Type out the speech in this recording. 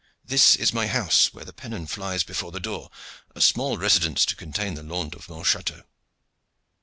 This is my house where the pennon flies before the door a small residence to contain the Lord of Montchateau."